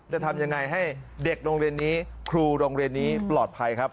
จะทำยังไงให้เด็กโรงเรียนนี้ครูโรงเรียนนี้ปลอดภัยครับ